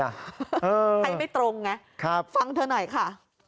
ให้ไม่ตรงไงฟังเธอหน่อยค่ะ